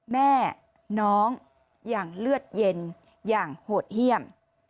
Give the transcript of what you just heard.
แม่น้องอย่างเลือดเย็นอย่างโหดเยี่ยม